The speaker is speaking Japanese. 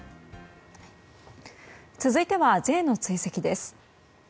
続いてはＪの追跡です。